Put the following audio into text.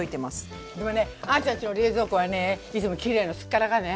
でもねあーちゃんちの冷蔵庫はねいつもきれいのすっからかんね。